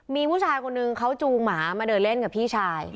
มีผู้ชายคนนึงเขาจูงหมามาเดินเล่นกับพี่ชาย